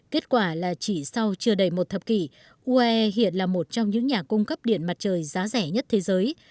kết quả là chỉ sau chưa đầy một thập kỷ uae hiện là một trong những nhà cung cấp điện mặt trời giá rẻ nhất thế giới